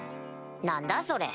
何だそれ。